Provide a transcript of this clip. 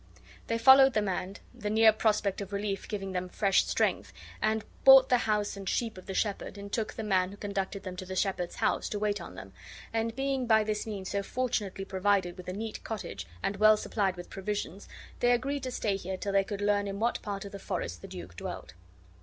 They followed the man, the near prospect of relief giving them fresh strength, and bought the house and sheep of the shepherd, and took the man who conducted them to the shepherd's house to wait on them; and being by this means so fortunately provided with a neat cottage, and well supplied with provisions, they agreed to stay here till they could learn in what part of the forest the duke dwelt.